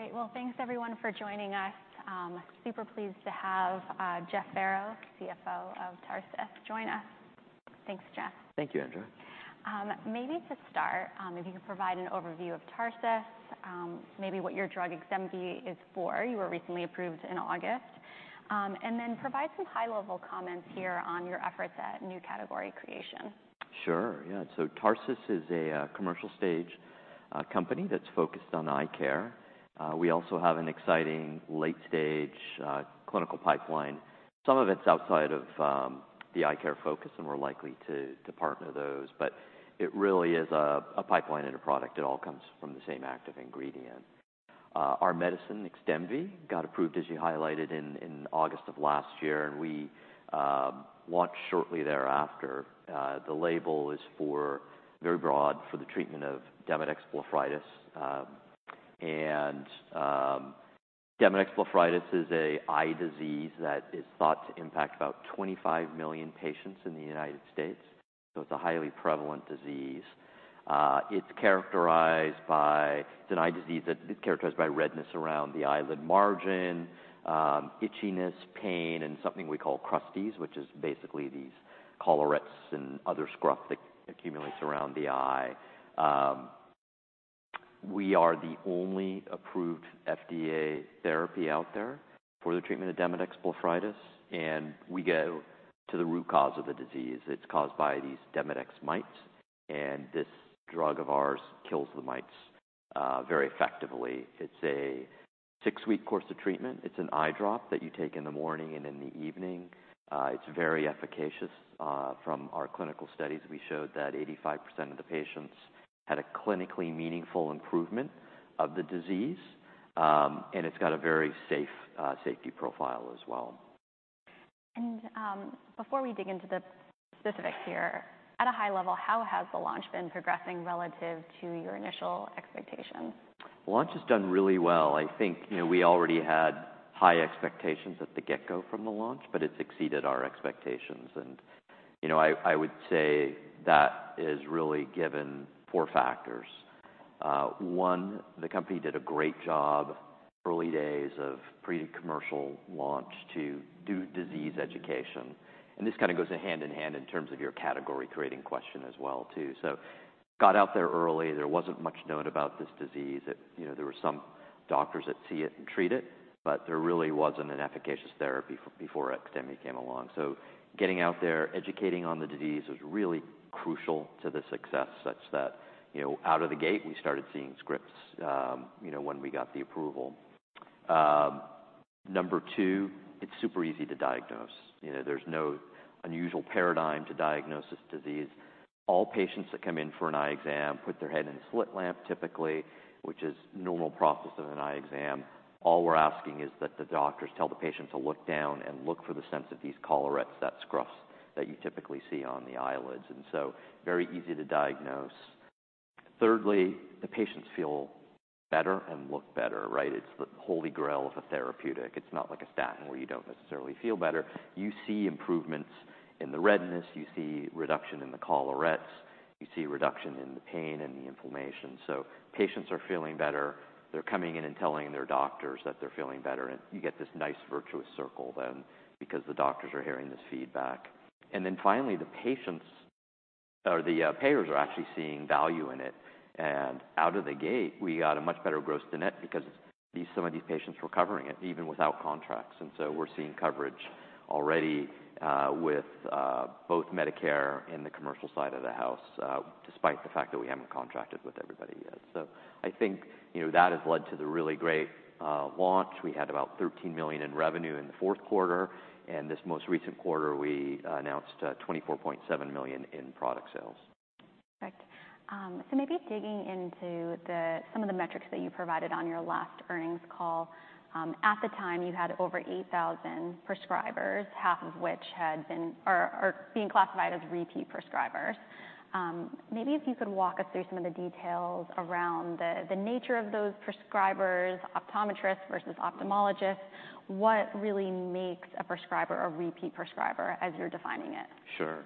Great. Well, thanks everyone for joining us. Super pleased to have Jeff Farrow, CFO of Tarsus, join us. Thanks, Jeff. Thank you, Andrea. Maybe to start, if you could provide an overview of Tarsus, maybe what your drug Xdemvy is for. You were recently approved in August. And then provide some high-level comments here on your efforts at new category creation. Sure. Yeah. So Tarsus is a commercial-stage company that's focused on eye care. We also have an exciting late-stage clinical pipeline. Some of it's outside of the eye care focus, and we're likely to partner those. But it really is a pipeline and a product. It all comes from the same active ingredient. Our medicine, Xdemvy, got approved, as you highlighted, in August of last year, and we launched shortly thereafter. The label is very broad for the treatment of Demodex blepharitis. And Demodex blepharitis is an eye disease that is thought to impact about 25 million patients in the United States. So it's a highly prevalent disease. It's characterized by it's an eye disease that is characterized by redness around the eyelid margin, itchiness, pain, and something we call crusties, which is basically these collarettes and other scurf that accumulates around the eye. We are the only approved FDA therapy out there for the treatment of Demodex blepharitis, and we go to the root cause of the disease. It's caused by these Demodex mites, and this drug of ours kills the mites very effectively. It's a six-week course of treatment. It's an eye drop that you take in the morning and in the evening. It's very efficacious. From our clinical studies, we showed that 85% of the patients had a clinically meaningful improvement of the disease. And it's got a very safe safety profile as well. Before we dig into the specifics here, at a high level, how has the launch been progressing relative to your initial expectations? Launch has done really well. I think, you know, we already had high expectations at the get-go from the launch, but it's exceeded our expectations. And, you know, I, I would say that is really given 4 factors. 1, the company did a great job early days of pre-commercial launch to do disease education. And this kinda goes hand in hand in terms of your category-creating question as well too. So got out there early. There wasn't much known about this disease. It, you know, there were some doctors that see it and treat it, but there really wasn't an efficacious therapy before Xdemvy came along. So getting out there, educating on the disease was really crucial to the success such that, you know, out of the gate, we started seeing scripts, you know, when we got the approval. Number 2, it's super easy to diagnose. You know, there's no unusual paradigm to diagnosing the disease. All patients that come in for an eye exam put their head in the slit lamp typically, which is normal process of an eye exam. All we're asking is that the doctors tell the patient to look down and look for the signs of these collarettes, the scurf that you typically see on the eyelids. And so very easy to diagnose. Thirdly, the patients feel better and look better, right? It's the holy grail of a therapeutic. It's not like a statin where you don't necessarily feel better. You see improvements in the redness. You see reduction in the collarettes. You see reduction in the pain and the inflammation. So patients are feeling better. They're coming in and telling their doctors that they're feeling better. And you get this nice virtuous circle then because the doctors are hearing this feedback. And then finally, the patients and the payers are actually seeing value in it. And out of the gate, we got a much better gross-to-net because some of these payers were covering it even without contracts. And so we're seeing coverage already, with both Medicare and the commercial side of the house, despite the fact that we haven't contracted with everybody yet. So I think, you know, that has led to the really great launch. We had about $13 million in revenue in the fourth quarter. And this most recent quarter, we announced $24.7 million in product sales. Perfect. So maybe digging into some of the metrics that you provided on your last earnings call, at the time, you had over 8,000 prescribers, half of which had been or being classified as repeat prescribers. Maybe if you could walk us through some of the details around the nature of those prescribers, optometrists versus ophthalmologists, what really makes a prescriber a repeat prescriber as you're defining it? Sure.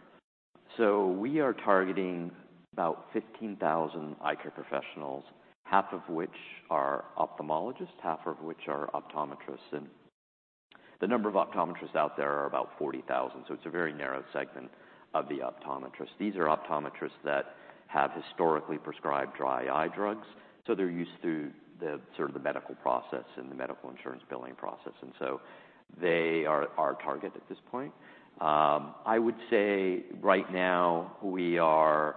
So we are targeting about 15,000 eye care professionals, half of which are ophthalmologists, half of which are optometrists. And the number of optometrists out there are about 40,000. So it's a very narrow segment of the optometrists. These are optometrists that have historically prescribed dry eye drugs. So they're used through the sort of the medical process and the medical insurance billing process. And so they are our target at this point. I would say right now, we are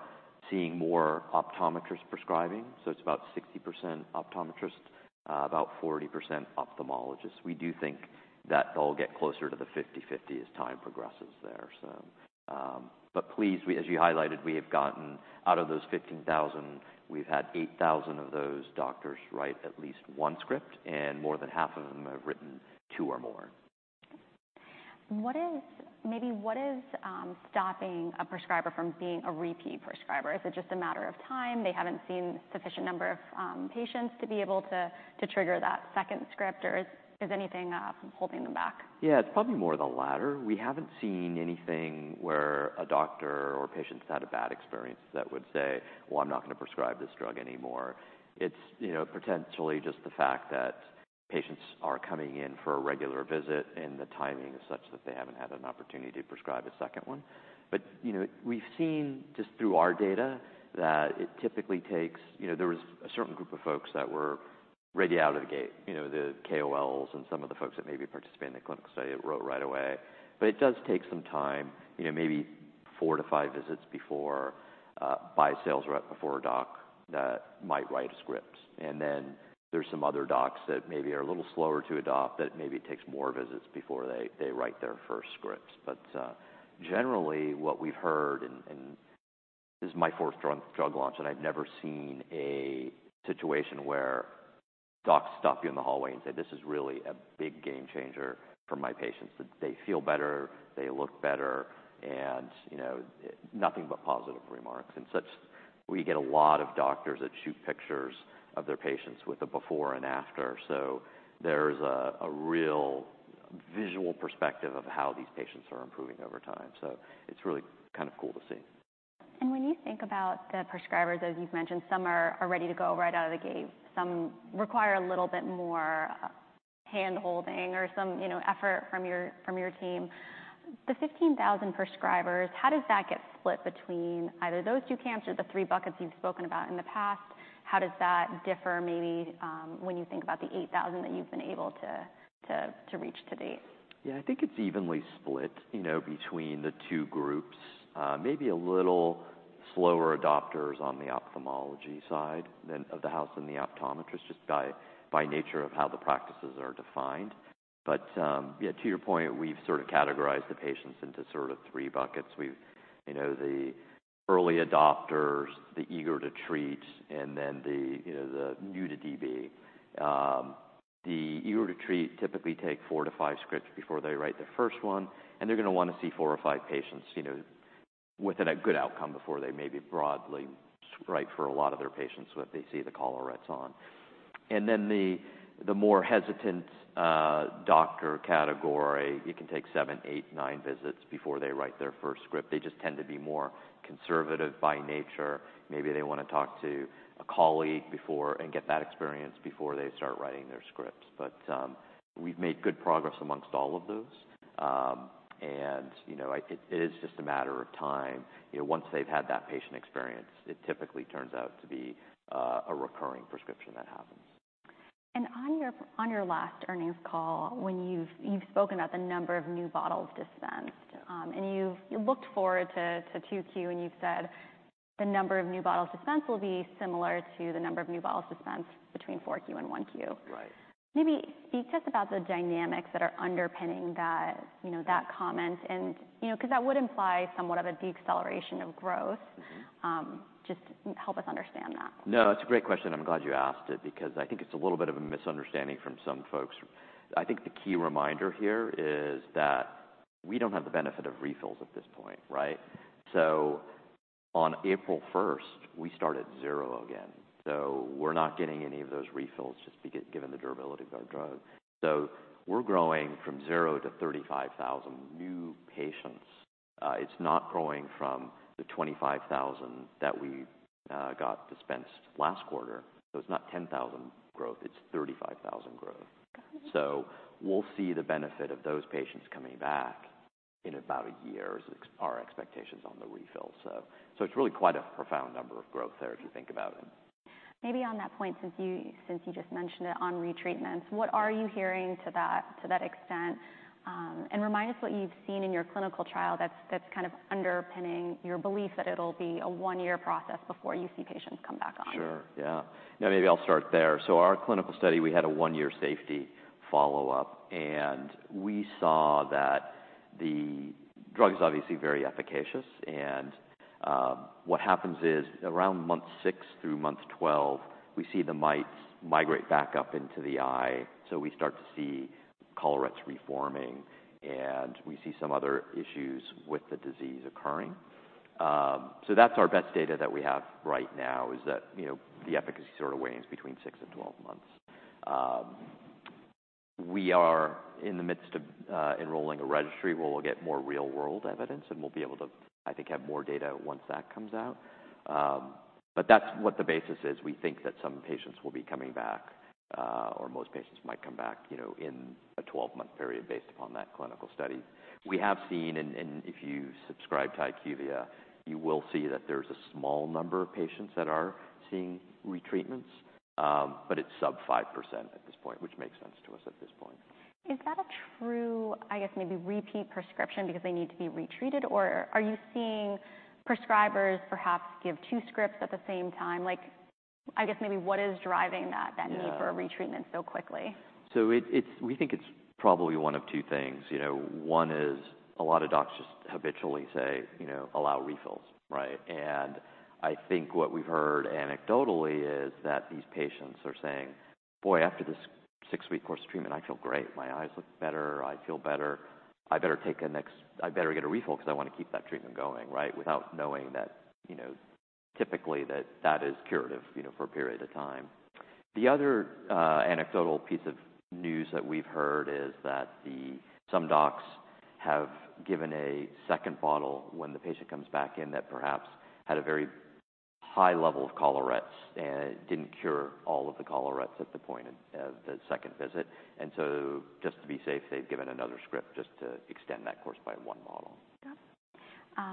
seeing more optometrists prescribing. So it's about 60% optometrists, about 40% ophthalmologists. We do think that they'll get closer to the 50/50 as time progresses there. So, but please, we as you highlighted, we have gotten out of those 15,000, we've had 8,000 of those doctors write at least one script, and more than half of them have written two or more. Okay. What is maybe stopping a prescriber from being a repeat prescriber? Is it just a matter of time? They haven't seen sufficient number of patients to be able to trigger that second script, or is anything holding them back? Yeah. It's probably more the latter. We haven't seen anything where a doctor or patient's had a bad experience that would say, "Well, I'm not gonna prescribe this drug anymore." It's, you know, potentially just the fact that patients are coming in for a regular visit and the timing is such that they haven't had an opportunity to prescribe a second one. But, you know, we've seen just through our data that it typically takes, you know, there was a certain group of folks that were ready out of the gate, you know, the KOLs and some of the folks that maybe participated in the clinical study that wrote right away. But it does take some time, you know, maybe four to five visits before, by sales rep before a doc that might write a script. And then there's some other docs that maybe are a little slower to adopt that maybe it takes more visits before they write their first scripts. But, generally, what we've heard and this is my fourth drug launch, and I've never seen a situation where docs stop you in the hallway and say, "This is really a big game changer for my patients." They feel better. They look better. And, you know, nothing but positive remarks. And such we get a lot of doctors that shoot pictures of their patients with a before and after. So there's a real visual perspective of how these patients are improving over time. So it's really kind of cool to see. When you think about the prescribers, as you've mentioned, some are ready to go right out of the gate. Some require a little bit more hand-holding or some, you know, effort from your team. The 15,000 prescribers, how does that get split between either those two camps or the three buckets you've spoken about in the past? How does that differ maybe, when you think about the 8,000 that you've been able to reach to date? Yeah. I think it's evenly split, you know, between the two groups. Maybe a little slower adopters on the ophthalmology side than of the house than the optometrists just by nature of how the practices are defined. But, yeah, to your point, we've sort of categorized the patients into sort of three buckets. We've, you know, the early adopters, the eager to treat, and then the, you know, the new to DB. The eager to treat typically take 4-5 scripts before they write their first one. And they're gonna wanna see 4 or 5 patients, you know, within a good outcome before they maybe broadly write for a lot of their patients when they see the collarettes on. And then the, the more hesitant, doctor category, it can take 7, 8, 9 visits before they write their first script. They just tend to be more conservative by nature. Maybe they wanna talk to a colleague before and get that experience before they start writing their scripts. But, we've made good progress amongst all of those. And, you know, it is just a matter of time. You know, once they've had that patient experience, it typically turns out to be a recurring prescription that happens. On your last earnings call, when you've spoken about the number of new bottles dispensed, and you've looked forward to 2Q, and you've said the number of new bottles dispensed will be similar to the number of new bottles dispensed between 4Q and 1Q. Right. Maybe speak to us about the dynamics that are underpinning that, you know, that comment and, you know, 'cause that would imply somewhat of a deceleration of growth... Mm-hmm. Just help us understand that. No. It's a great question. I'm glad you asked it because I think it's a little bit of a misunderstanding from some folks. I think the key reminder here is that we don't have the benefit of refills at this point, right? So on April 1st, we start at zero again. So we're not getting any of those refills just be given the durability of our drug. So we're growing from zero to 35,000 new patients. It's not growing from the 25,000 that we got dispensed last quarter. So it's not 10,000 growth. It's 35,000 growth. We'll see the benefit of those patients coming back in about a year is our expectations on the refill. So, it's really quite a profound number of growth there if you think about it. Maybe on that point, since you just mentioned it on retreatments, what are you hearing to that extent? And remind us what you've seen in your clinical trial that's kind of underpinning your belief that it'll be a one-year process before you see patients come back on. Sure. Yeah. Yeah. Maybe I'll start there. So our clinical study, we had a 1-year safety follow-up, and we saw that the drug is obviously very efficacious. And, what happens is around month 6 through month 12, we see the mites migrate back up into the eye. So we start to see collarettes reforming, and we see some other issues with the disease occurring. So that's our best data that we have right now is that, you know, the efficacy sort of wanes between 6 and 12 months. We are in the midst of, enrolling a registry where we'll get more real-world evidence, and we'll be able to, I think, have more data once that comes out. But that's what the basis is. We think that some patients will be coming back, or most patients might come back, you know, in a 12-month period based upon that clinical study. We have seen, and if you subscribe to IQVIA, you will see that there's a small number of patients that are seeing retreatments, but it's sub 5% at this point, which makes sense to us at this point. Is that a true, I guess, maybe repeat prescription because they need to be retreated, or are you seeing prescribers perhaps give two scripts at the same time? Like, I guess maybe what is driving that, that need for retreatments so quickly? So, we think it's probably one of two things. You know, one is a lot of docs just habitually say, you know, allow refills, right? And I think what we've heard anecdotally is that these patients are saying, "Boy, after this six-week course of treatment, I feel great. My eyes look better. I feel better. I better take a next I better get a refill 'cause I wanna keep that treatment going," right, without knowing that, you know, typically that that is curative, you know, for a period of time. The other anecdotal piece of news that we've heard is that some docs have given a second bottle when the patient comes back in that perhaps had a very high level of collarettes and didn't cure all of the collarettes at the point of the second visit. Just to be safe, they've given another script just to extend that course by one bottle. Got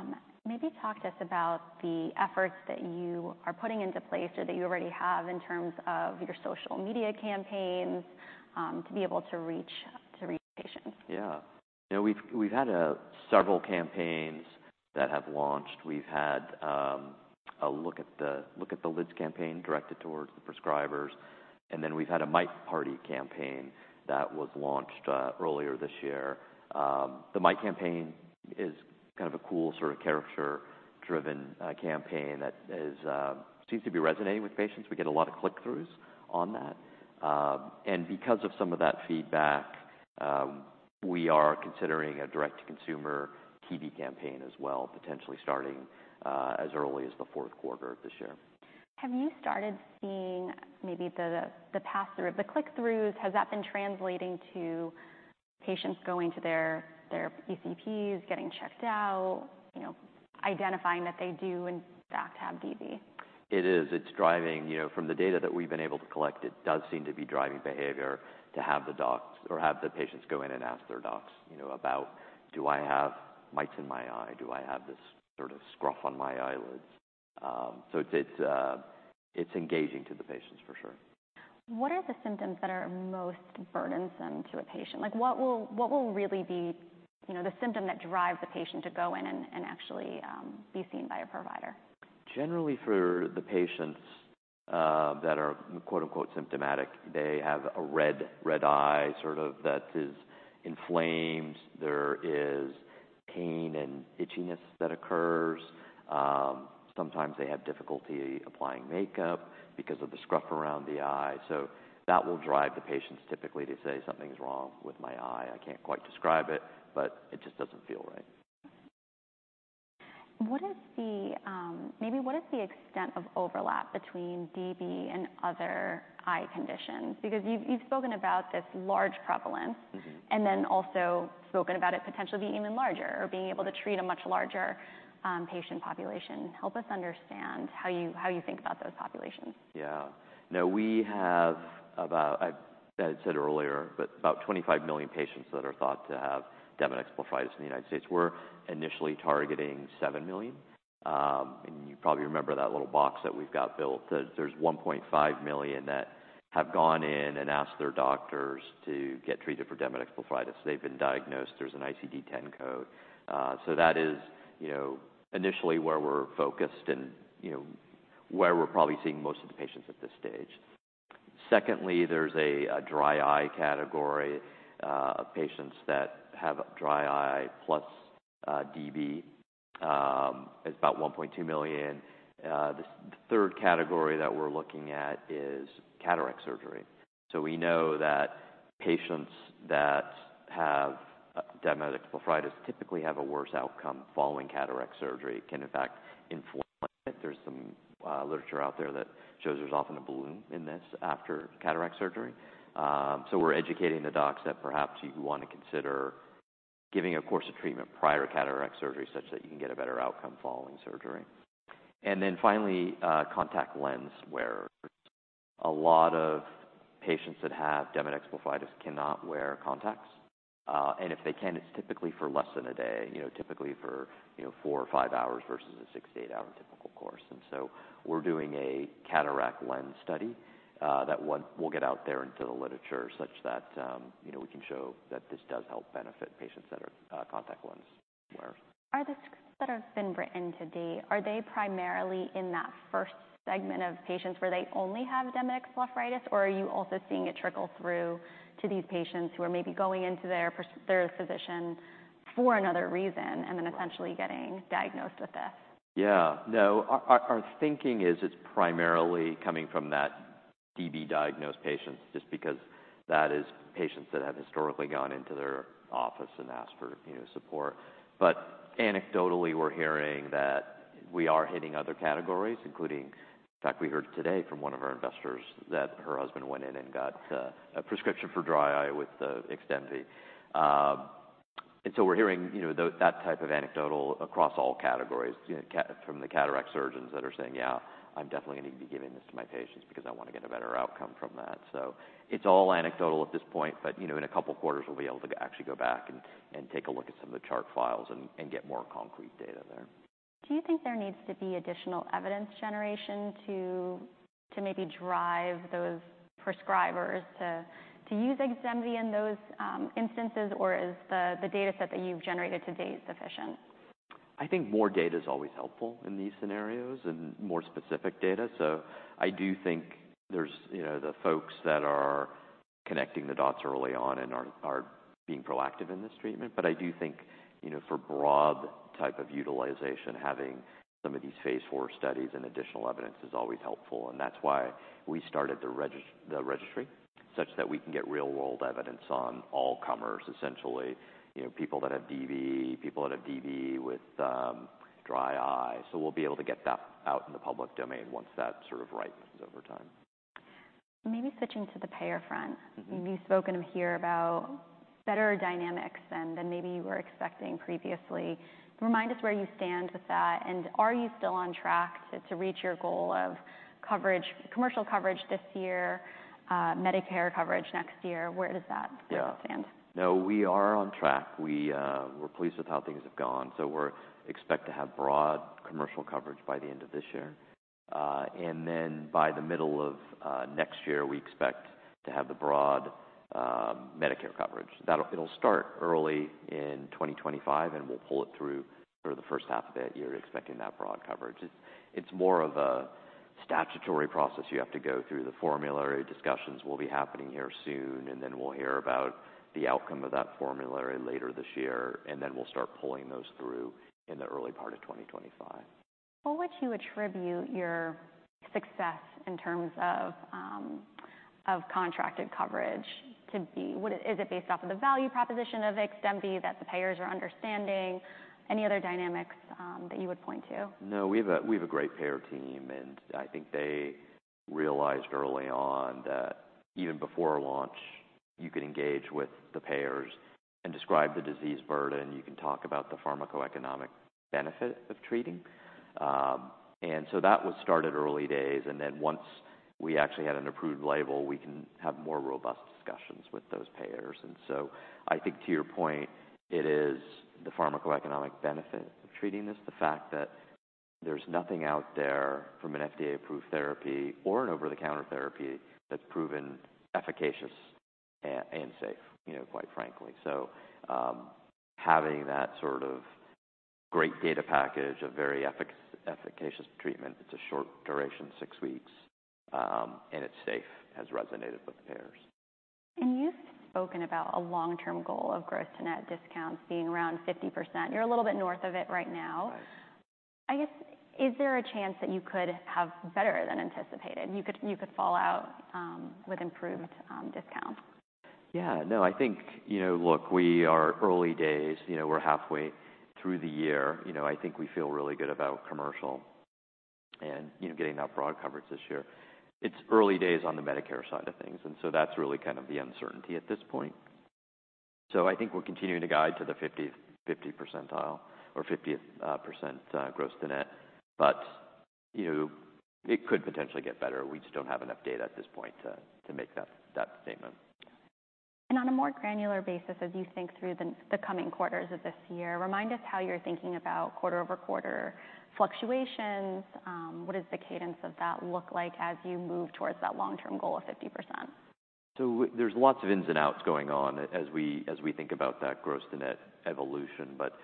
it. Maybe talk to us about the efforts that you are putting into place or that you already have in terms of your social media campaigns, to be able to reach patients. Yeah. You know, we've had several campaigns that have launched. We've had a Look at the Lids campaign directed towards the prescribers. And then we've had a Mite Party campaign that was launched earlier this year. The Mite campaign is kind of a cool sort of character-driven campaign that seems to be resonating with patients. We get a lot of click-throughs on that. And because of some of that feedback, we are considering a direct-to-consumer TV campaign as well, potentially starting as early as the fourth quarter of this year. Have you started seeing maybe the past sort of the click-throughs? Has that been translating to patients going to their PCPs, getting checked out, you know, identifying that they do in fact have DB? It is. It's driving, you know, from the data that we've been able to collect, it does seem to be driving behavior to have the docs or have the patients go in and ask their docs, you know, about, "Do I have mites in my eye? Do I have this sort of scurf on my eyelids?" so it's, it's, it's engaging to the patients for sure. What are the symptoms that are most burdensome to a patient? Like, what will really be, you know, the symptom that drives a patient to go in and actually be seen by a provider? Generally, for the patients that are "symptomatic," they have a red, red eye sort of that is inflamed. There is pain and itchiness that occurs. Sometimes they have difficulty applying makeup because of the scurf around the eye. So that will drive the patients typically to say, "Something's wrong with my eye. I can't quite describe it, but it just doesn't feel right." Okay. What is the, maybe what is the extent of overlap between DB and other eye conditions? Because you've, you've spoken about this large prevalence. Mm-hmm. And then also spoken about it potentially being even larger or being able to treat a much larger patient population. Help us understand how you think about those populations. Yeah. Now, we have about—I said earlier, but about 25 million patients that are thought to have Demodex blepharitis in the United States. We're initially targeting 7 million. And you probably remember that little box that we've got built. There's 1.5 million that have gone in and asked their doctors to get treated for Demodex blepharitis. They've been diagnosed. There's an ICD-10 code. So that is, you know, initially where we're focused and, you know, where we're probably seeing most of the patients at this stage. Secondly, there's a dry eye category of patients that have dry eye plus DB. It's about 1.2 million. The third category that we're looking at is cataract surgery. So we know that patients that have Demodex blepharitis typically have a worse outcome following cataract surgery. It can in fact inflame it. There's some literature out there that shows there's often a bloom in this after cataract surgery. So we're educating the docs that perhaps you wanna consider giving a course of treatment prior to cataract surgery such that you can get a better outcome following surgery. And then finally, contact lens wear. A lot of patients that have Demodex blepharitis cannot wear contacts. And if they can, it's typically for less than a day, you know, typically for, you know, 4 or 5 hours versus a 6-8-hour typical course. And so we're doing a contact lens study, that one will get out there into the literature such that, you know, we can show that this does help benefit patients that are contact lens wearers. Are the scripts that have been written to date, are they primarily in that first segment of patients where they only have Demodex blepharitis, or are you also seeing it trickle through to these patients who are maybe going into their physician for another reason and then essentially getting diagnosed with this? Yeah. No. Our thinking is it's primarily coming from that DB diagnosed patients just because that is patients that have historically gone into their office and asked for, you know, support. But anecdotally, we're hearing that we are hitting other categories, including, in fact, we heard today from one of our investors that her husband went in and got a prescription for dry eye with the Xdemvy. And so we're hearing, you know, though that type of anecdotal across all categories, you know, cataract from the cataract surgeons that are saying, "Yeah. I'm definitely gonna be giving this to my patients because I wanna get a better outcome from that." So it's all anecdotal at this point, but, you know, in a couple quarters, we'll be able to actually go back and take a look at some of the chart files and get more concrete data there. Do you think there needs to be additional evidence generation to maybe drive those prescribers to use Xdemvy in those instances, or is the data set that you've generated to date sufficient? I think more data is always helpful in these scenarios and more specific data. So I do think there's, you know, the folks that are connecting the dots early on and are being proactive in this treatment. But I do think, you know, for broad type of utilization, having some of these phase 4 studies and additional evidence is always helpful. And that's why we started the registry such that we can get real-world evidence on all comers, essentially, you know, people that have DB, people that have DB with dry eye. So we'll be able to get that out in the public domain once that sort of ripens over time. Maybe switching to the payer front. Mm-hmm. You've spoken here about better dynamics than maybe you were expecting previously. Remind us where you stand with that. And are you still on track to reach your goal of coverage, commercial coverage this year, Medicare coverage next year? Where does that stand? Yeah. No. We are on track. We're pleased with how things have gone. So we're expect to have broad commercial coverage by the end of this year. And then by the middle of next year, we expect to have the broad Medicare coverage. That'll start early in 2025, and we'll pull it through for the first half of that year, expecting that broad coverage. It's more of a statutory process you have to go through. The formulary discussions will be happening here soon, and then we'll hear about the outcome of that formulary later this year, and then we'll start pulling those through in the early part of 2025. What would you attribute your success in terms of, of contracted coverage to be? What is it based off of the value proposition of Xdemvy that the payers are understanding? Any other dynamics, that you would point to? No. We have a great payer team, and I think they realized early on that even before launch, you could engage with the payers and describe the disease burden. You can talk about the pharmacoeconomic benefit of treating, and so that was started early days. And then once we actually had an approved label, we can have more robust discussions with those payers. And so I think to your point, it is the pharmacoeconomic benefit of treating this, the fact that there's nothing out there from an FDA-approved therapy or an over-the-counter therapy that's proven efficacious and safe, you know, quite frankly. So, having that sort of great data package of very efficacious treatment, it's a short duration, six weeks, and it's safe, has resonated with the payers. You've spoken about a long-term goal of gross-to-net discounts being around 50%. You're a little bit north of it right now. Right. I guess, is there a chance that you could have better than anticipated? You could fall out with improved discounts? Yeah. No. I think, you know, look, we are early days. You know, we're halfway through the year. You know, I think we feel really good about commercial and, you know, getting that broad coverage this year. It's early days on the Medicare side of things. And so that's really kind of the uncertainty at this point. So I think we're continuing to guide to the 50th, 50 percentile or 50th, percent, gross-to-net. But, you know, it could potentially get better. We just don't have enough data at this point to, to make that, that statement. On a more granular basis, as you think through the coming quarters of this year, remind us how you're thinking about quarter-over-quarter fluctuations? What does the cadence of that look like as you move towards that long-term goal of 50%? There's lots of ins and outs going on as we think about that gross to net evolution. But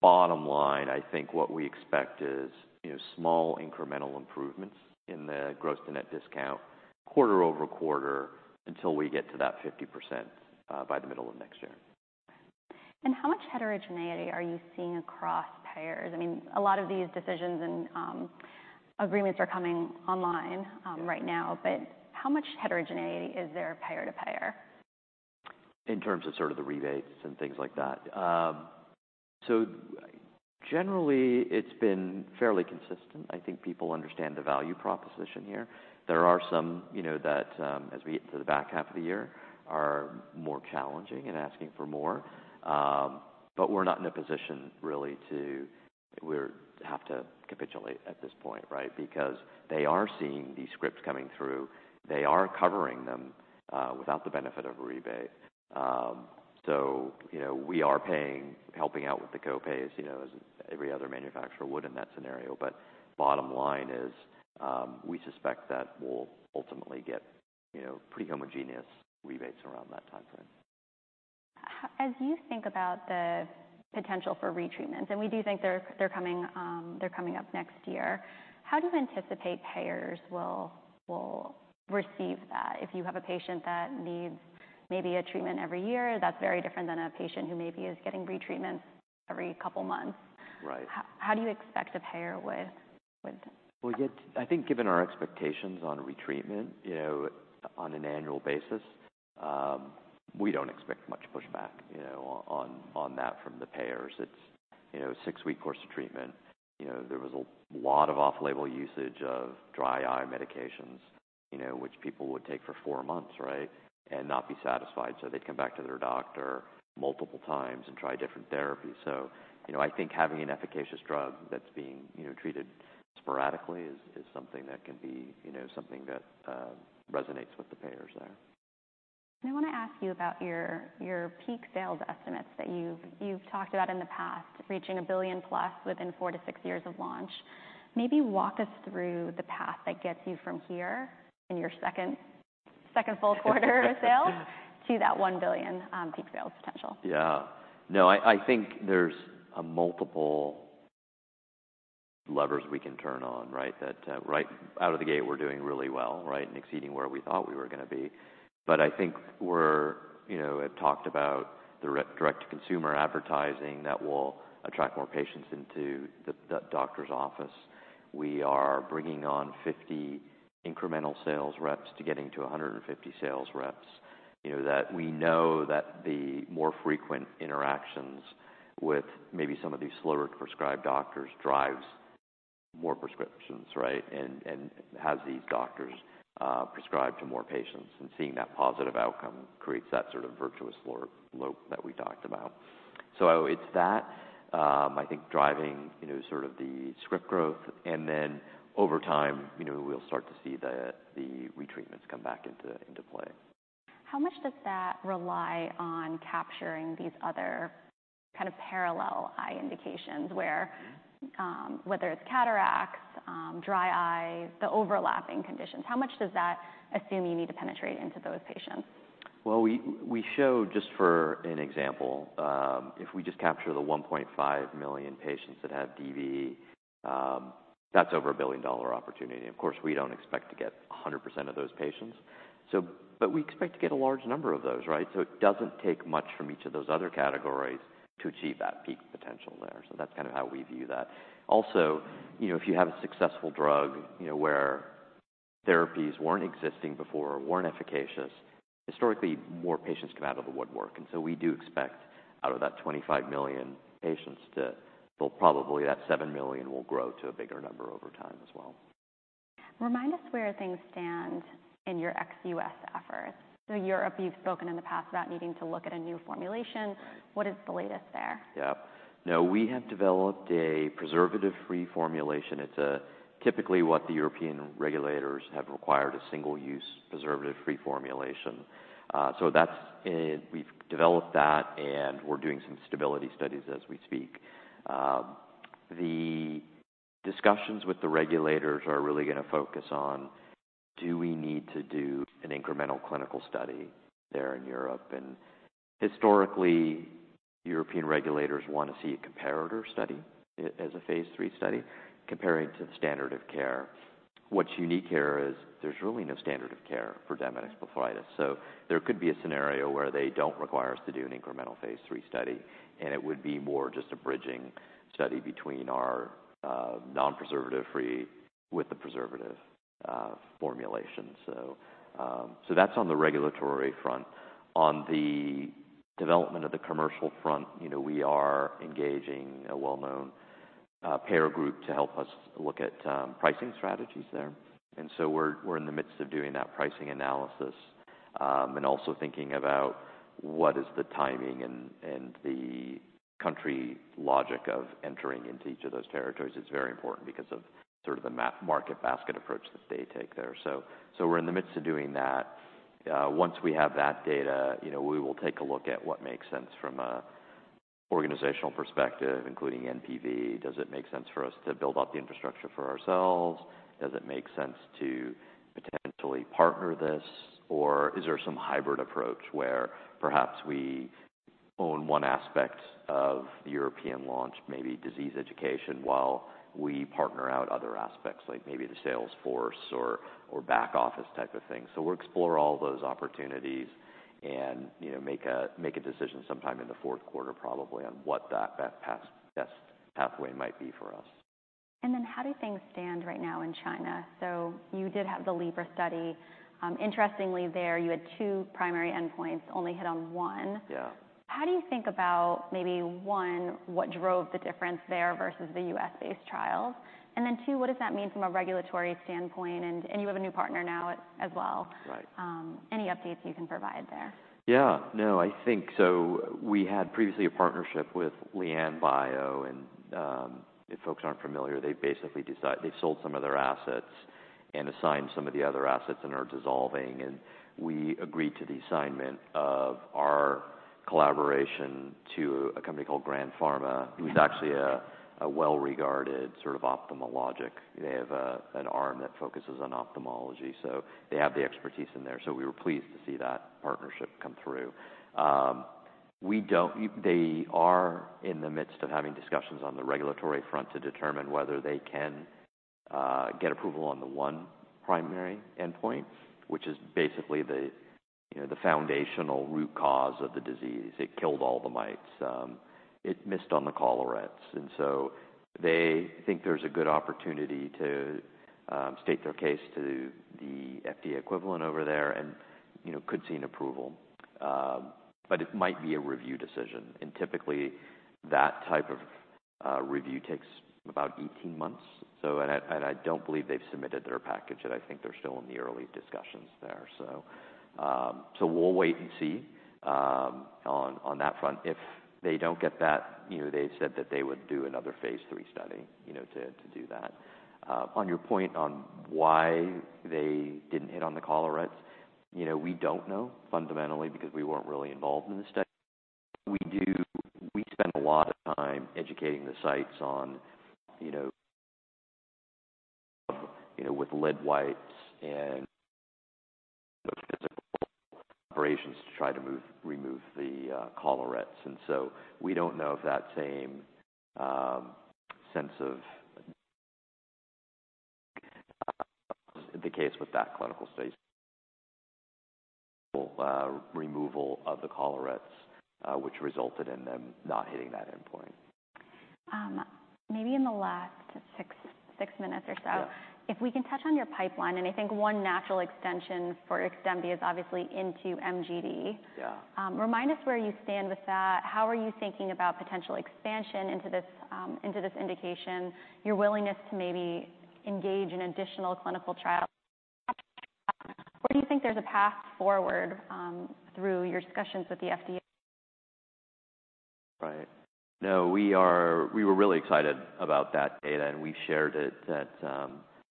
bottom line, I think what we expect is, you know, small incremental improvements in the gross to net discount quarter-over-quarter until we get to that 50%, by the middle of next year. How much heterogeneity are you seeing across payers? I mean, a lot of these decisions and agreements are coming online right now. How much heterogeneity is there payer to payer? In terms of sort of the rebates and things like that. So generally, it's been fairly consistent. I think people understand the value proposition here. There are some, you know, that, as we get to the back half of the year, are more challenging and asking for more. But we're not in a position really to capitulate at this point, right, because they are seeing these scripts coming through. They are covering them, without the benefit of a rebate. So, you know, we are paying, helping out with the copays, you know, as every other manufacturer would in that scenario. But bottom line is, we suspect that we'll ultimately get, you know, pretty homogeneous rebates around that timeframe. As you think about the potential for retreatments, and we do think they're coming up next year, how do you anticipate payers will receive that? If you have a patient that needs maybe a treatment every year, that's very different than a patient who maybe is getting retreatments every couple months. Right. How do you expect a payer would? Well, yeah, I think given our expectations on retreatment, you know, on an annual basis, we don't expect much pushback, you know, on, on that from the payers. It's, you know, a six-week course of treatment. You know, there was a lot of off-label usage of dry eye medications, you know, which people would take for four months, right, and not be satisfied. So they'd come back to their doctor multiple times and try different therapies. So, you know, I think having an efficacious drug that's being, you know, treated sporadically is, is something that can be, you know, something that, resonates with the payers there. I wanna ask you about your peak sales estimates that you've talked about in the past, reaching $1 billion-plus within 4-6 years of launch. Maybe walk us through the path that gets you from here in your second full quarter of sales to that $1 billion peak sales potential. Yeah. No. I think there's multiple levers we can turn on, right, that right out of the gate, we're doing really well, right, and exceeding where we thought we were gonna be. But I think we're, you know, have talked about the direct-to-consumer advertising that will attract more patients into the doctor's office. We are bringing on 50 incremental sales reps to getting to 150 sales reps, you know, that we know that the more frequent interactions with maybe some of these slower-prescribed doctors drives more prescriptions, right, and has these doctors prescribed to more patients. And seeing that positive outcome creates that sort of virtuous lower loop that we talked about. So it's that, I think driving, you know, sort of the script growth. And then over time, you know, we'll start to see the retreatments come back into play. How much does that rely on capturing these other kind of parallel eye indications where, whether it's cataracts, dry eye, the overlapping conditions, how much does that assume you need to penetrate into those patients? Well, we, we show just for an example, if we just capture the 1.5 million patients that have DB, that's over a $1 billion opportunity. Of course, we don't expect to get 100% of those patients. So but we expect to get a large number of those, right? So it doesn't take much from each of those other categories to achieve that peak potential there. So that's kind of how we view that. Also, you know, if you have a successful drug, you know, where therapies weren't existing before, weren't efficacious, historically, more patients come out of the woodwork. And so we do expect out of that 25 million patients to, well, probably that 7 million will grow to a bigger number over time as well. Remind us where things stand in your ex-U.S. efforts. So Europe, you've spoken in the past about needing to look at a new formulation. What is the latest there? Yep. No. We have developed a preservative-free formulation. It's typically what the European regulators have required, a single-use preservative-free formulation. So that's it, we've developed that, and we're doing some stability studies as we speak. The discussions with the regulators are really gonna focus on, do we need to do an incremental clinical study there in Europe? And historically, European regulators wanna see a comparator study as a phase III study comparing to the standard of care. What's unique here is there's really no standard of care for Demodex blepharitis. So there could be a scenario where they don't require us to do an incremental phase III study, and it would be more just a bridging study between our non-preservative-free with the preservative-free formulation. So that's on the regulatory front. On the development of the commercial front, you know, we are engaging a well-known payer group to help us look at pricing strategies there. And so we're in the midst of doing that pricing analysis, and also thinking about what is the timing and the country logic of entering into each of those territories. It's very important because of sort of the market basket approach that they take there. So we're in the midst of doing that. Once we have that data, you know, we will take a look at what makes sense from an organizational perspective, including NPV. Does it make sense for us to build up the infrastructure for ourselves? Does it make sense to potentially partner this? Or is there some hybrid approach where perhaps we own one aspect of the European launch, maybe disease education, while we partner out other aspects like maybe the sales force or back office type of thing? So we'll explore all those opportunities and, you know, make a decision sometime in the fourth quarter probably on what that be best, best pathway might be for us. How do things stand right now in China? You did have the LIBRA study. Interestingly, there you had two primary endpoints, only hit on one. Yeah. How do you think about maybe one, what drove the difference there versus the U.S.-based trials? And then two, what does that mean from a regulatory standpoint? And, and you have a new partner now as well. Right. Any updates you can provide there? Yeah. No. I think so we had previously a partnership with LianBio, and, if folks aren't familiar, they basically decide they've sold some of their assets and assigned some of the other assets and are dissolving. And we agreed to the assignment of our collaboration to a company called Grand Pharma, who's actually a, a well-regarded sort of ophthalmologic. They have a, an arm that focuses on ophthalmology. So they have the expertise in there. So we were pleased to see that partnership come through. We don't they are in the midst of having discussions on the regulatory front to determine whether they can get approval on the one primary endpoint, which is basically the, you know, the foundational root cause of the disease. It killed all the mites. It missed on the collarettes. So they think there's a good opportunity to state their case to the FDA equivalent over there and, you know, could see an approval, but it might be a review decision. Typically, that type of review takes about 18 months. I don't believe they've submitted their package. I think they're still in the early discussions there. We'll wait and see on that front. If they don't get that, you know, they said that they would do another phase III study, you know, to do that. On your point on why they didn't hit on the collarettes, you know, we don't know fundamentally because we weren't really involved in the study. We spent a lot of time educating the sites on, you know, with lid wipes and physical operations to try to remove the collarettes. And so we don't know if that same sense of the case with that clinical studies will removal of the collarettes, which resulted in them not hitting that endpoint. Maybe in the last 6, 6 minutes or so. Yeah. If we can touch on your pipeline, and I think one natural extension for Xdemvy is obviously into MGD. Yeah. Remind us where you stand with that. How are you thinking about potential expansion into this, into this indication, your willingness to maybe engage in additional clinical trials? Where do you think there's a path forward, through your discussions with the FDA? Right. No. We are we were really excited about that data, and we shared it at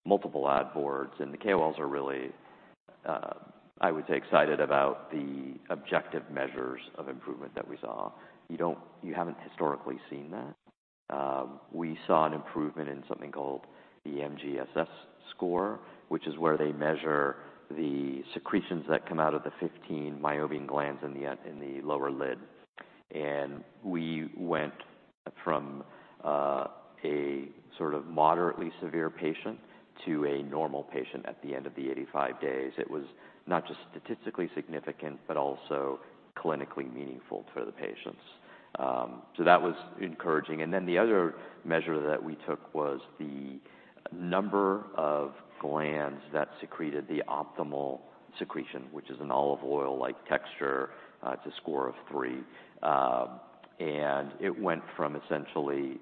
multiple lab boards. And the KOLs are really, I would say excited about the objective measures of improvement that we saw. You don't you haven't historically seen that. We saw an improvement in something called the MGSS score, which is where they measure the secretions that come out of the 15 meibomian glands in the in the lower lid. And we went from a sort of moderately severe patient to a normal patient at the end of the 85 days. It was not just statistically significant but also clinically meaningful for the patients. So that was encouraging. And then the other measure that we took was the number of glands that secreted the optimal secretion, which is an olive oil-like texture, to score of 3. It went from essentially,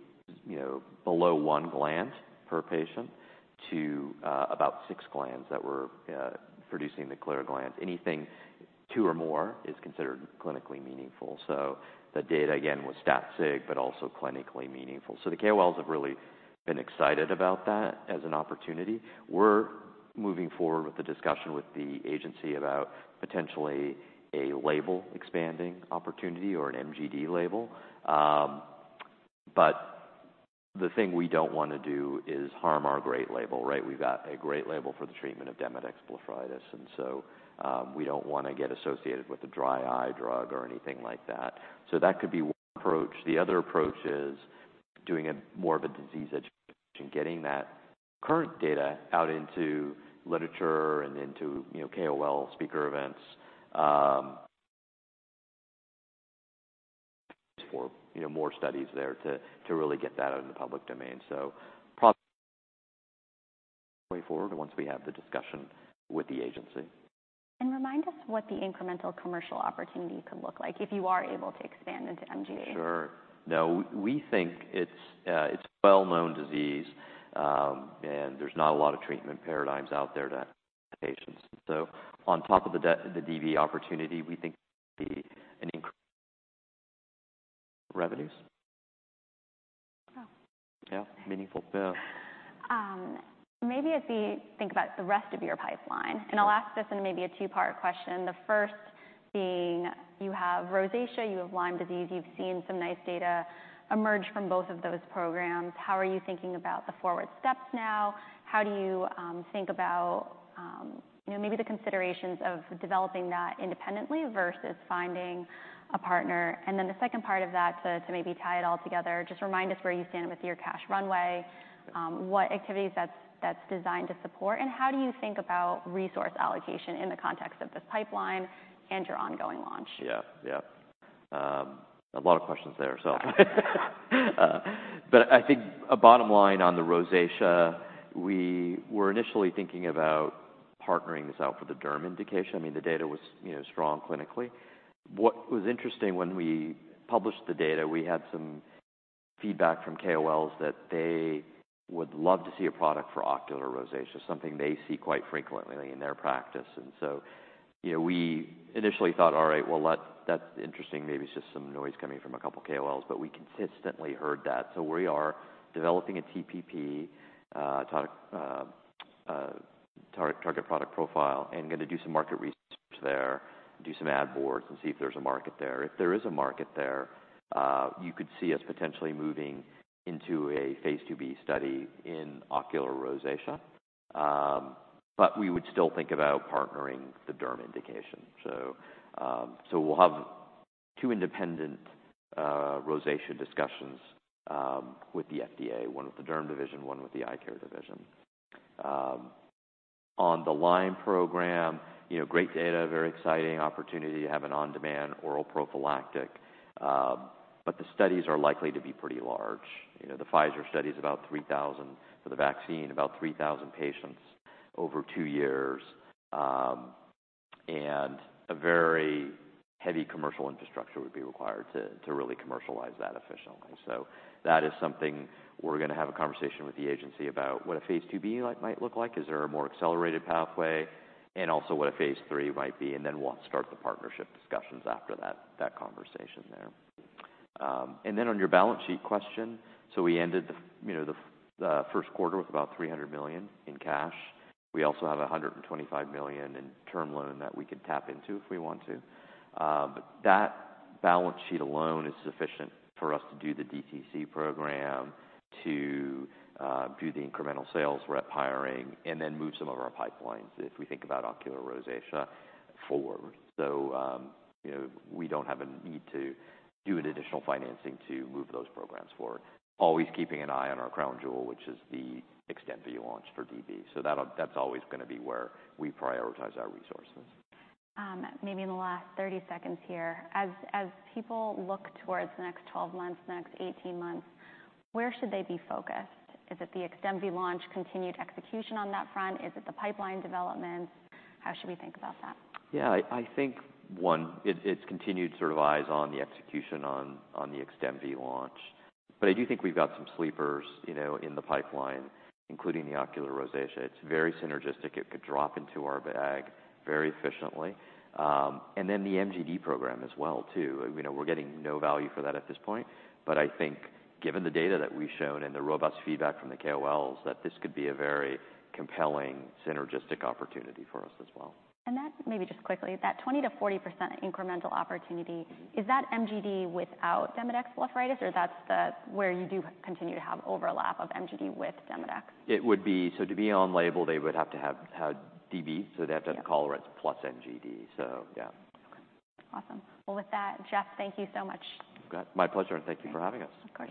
you know, below 1 gland per patient to about 6 glands that were producing the clear gland. Anything 2 or more is considered clinically meaningful. So the data, again, was stat-sig but also clinically meaningful. So the KOLs have really been excited about that as an opportunity. We're moving forward with the discussion with the agency about potentially a label expansion opportunity or an MGD label. But the thing we don't wanna do is harm our great label, right? We've got a great label for the treatment of Demodex blepharitis. And so, we don't wanna get associated with a dry eye drug or anything like that. So that could be one approach. The other approach is doing a more of a disease education, getting that current data out into literature and into, you know, KOL speaker events, for, you know, more studies there to really get that out in the public domain. So probably going forward once we have the discussion with the agency. Remind us what the incremental commercial opportunity could look like if you are able to expand into MGD? Sure. No. We think it's a well-known disease, and there's not a lot of treatment paradigms out there to patients. So on top of the DB opportunity, we think the annual revenues Oh. Yeah. Meaningful. Yeah. Maybe as we think about the rest of your pipeline, and I'll ask this in maybe a two-part question. The first being, you have rosacea, you have Lyme disease, you've seen some nice data emerge from both of those programs. How are you thinking about the forward steps now? How do you think about, you know, maybe the considerations of developing that independently versus finding a partner? And then the second part of that to maybe tie it all together, just remind us where you stand with your cash runway, what activities that's designed to support, and how do you think about resource allocation in the context of this pipeline and your ongoing launch? Yeah. Yeah, a lot of questions there, so, but I think a bottom line on the rosacea, we were initially thinking about partnering this out for the derm indication. I mean, the data was, you know, strong clinically. What was interesting when we published the data, we had some feedback from KOLs that they would love to see a product for ocular rosacea, something they see quite frequently in their practice. And so, you know, we initially thought, "All right. Well, that, that's interesting. Maybe it's just some noise coming from a couple KOLs." But we consistently heard that. So we are developing a TPP, target product profile and gonna do some market research there, do some ad boards, and see if there's a market there. If there is a market there, you could see us potentially moving into a phase IIb study in ocular rosacea. But we would still think about partnering the derm indication. So we'll have two independent rosacea discussions with the FDA, one with the derm division, one with the eye care division. On the Lyme program, you know, great data, very exciting opportunity to have an on-demand oral prophylactic. But the studies are likely to be pretty large. You know, the Pfizer study's about 3,000 for the vaccine, about 3,000 patients over 2 years. And a very heavy commercial infrastructure would be required to really commercialize that efficiently. So that is something we're gonna have a conversation with the agency about what a phase IIb might look like, is there a more accelerated pathway, and also what a phase III might be. And then we'll start the partnership discussions after that conversation there. Then on your balance sheet question, so we ended, you know, the first quarter with about $300 million in cash. We also have $125 million in term loan that we could tap into if we want to. That balance sheet alone is sufficient for us to do the DTC program, to do the incremental sales rep hiring, and then move some of our pipelines if we think about ocular rosacea forward. So, you know, we don't have a need to do additional financing to move those programs forward. Always keeping an eye on our crown jewel, which is the Xdemvy launch for DB. So that'll, that's always gonna be where we prioritize our resources. Maybe in the last 30 seconds here, as, as people look towards the next 12 months, the next 18 months, where should they be focused? Is it the Xdemvy launch continued execution on that front? Is it the pipeline development? How should we think about that? Yeah. I think it's continued sort of eyes on the execution on the Xdemvy launch. But I do think we've got some sleepers, you know, in the pipeline, including the ocular rosacea. It's very synergistic. It could drop into our bag very efficiently. And then the MGD program as well too. You know, we're getting no value for that at this point. But I think given the data that we've shown and the robust feedback from the KOLs that this could be a very compelling synergistic opportunity for us as well. That maybe just quickly, that 20%-40% incremental opportunity, is that MGD without Demodex blepharitis, or that's the where you do continue to have overlap of MGD with Demodex? It would be so to be on label, they would have to have had DB. So they have to have collarettes plus MGD. So yeah. Okay. Awesome. Well, with that, Jeff, thank you so much. My pleasure. Thank you for having us. Okay.